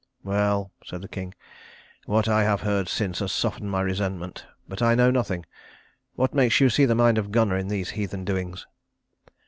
"Well," said the king, "what I have heard since has softened my resentment; but I know nothing. What makes you see the mind of Gunnar in these heathen doings?"